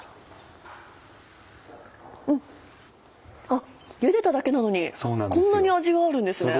あっゆでただけなのにこんなに味があるんですね。